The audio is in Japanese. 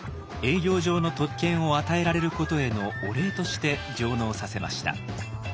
営業上の特権を与えられることへのお礼として上納させました。